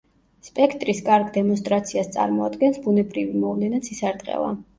სპექტრის კარგ დემონსტრაციას წარმოადგენს ბუნებრივი მოვლენა ცისარტყელა.